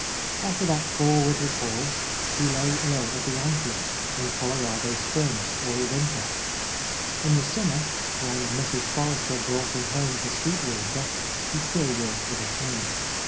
After that fall with his horse, he lay ill at the Antlers, in Colorado Springs, all winter. In the summer, — H — A host Lady when Mrs. Forrester brought him home to Sweet Water, he still walked with a cane.